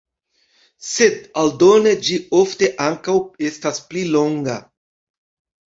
Sed aldone ĝi ofte ankaŭ estas pli longa.